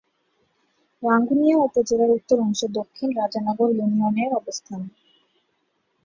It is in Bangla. রাঙ্গুনিয়া উপজেলার উত্তরাংশে দক্ষিণ রাজানগর ইউনিয়নের অবস্থান।